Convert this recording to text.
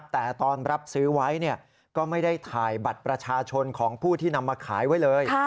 แต่ตอนรับซื้อไว้ก็ไม่ได้ถ่ายบัตรประชาชนของผู้ที่นำมาขายไว้เลย